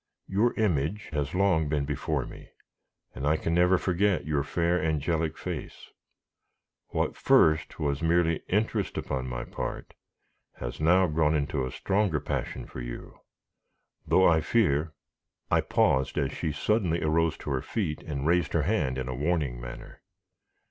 Your image has long been before me, and I can never forget your fair, angelic face. What first was merely interest upon my part, has grown into a stronger passion for you, though I fear " I paused as she suddenly arose to her feet, and raised her hand in a warning manner.